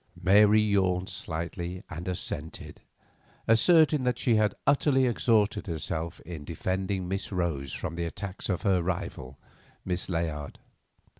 Mary yawned slightly and assented, asserting that she had utterly exhausted herself in defending Miss Rose from the attacks of her rival, Miss Layard.